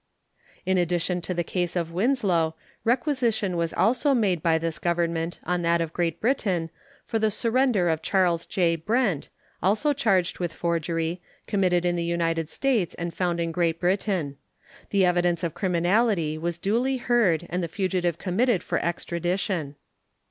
In addition to the case of Winslow, requisition was also made by this Government on that of Great Britain for the surrender of Charles J. Brent, also charged with forgery, committed in the United States, and found in Great Britain. The evidence of criminality was duly heard and the fugitive committed for extradition.